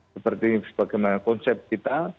seperti bagaimana konsep kita